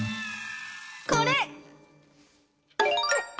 これ！